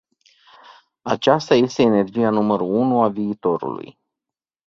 Aceasta este energia numărul unu a viitorului.